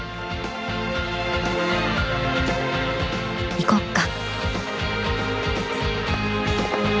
行こうか。